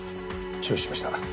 承知しました。